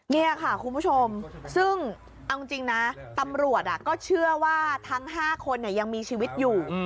นี่ค่ะคุณผู้ชมซึ่งเอาจริงนะตำรวจก็เชื่อว่าทั้ง๕คนยังมีชีวิตอยู่